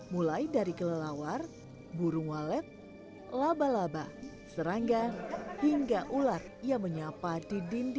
mulai dari kelelawar burung walet laba laba serangga hingga ular yang menyapa di dinding